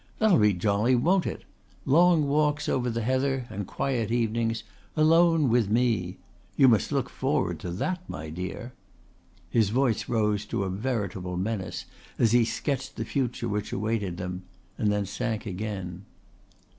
That'll be jolly, won't it? Long walks over the heather and quiet evenings alone with me. You must look forward to that, my dear." His voice rose to a veritable menace as he sketched the future which awaited them and then sank again.